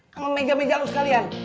sama megah megah lo sekalian